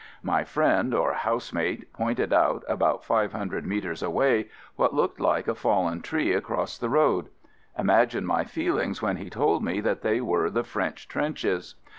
My friend or housemate pointed out, about five hundred metres away, what looked like a fallen tree across the road. Imagine my feelings when he told me that they were the French trenches.